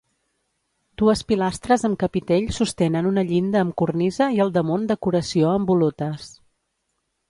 Dues pilastres amb capitell sostenen una llinda amb cornisa i al damunt decoració amb volutes.